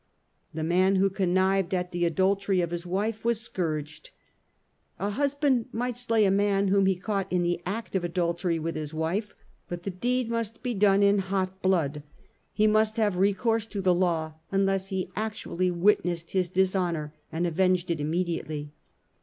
The man who connived at the adultery of his wife was scourged. A husband might slay a man whom he caught in the act of adultery with his wife ; but the deed must be done in hot blood : he must have recourse to the law unless he actually witnessed his dishonour and avenged it immediately.